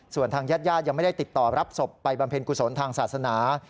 ส่วนทางญาติญาติยังไม่ได้ติดต่อรับศพไปบำเพ็ญกุศลทางศาสนา